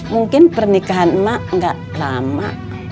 mungkin pernikahan emak nggak lama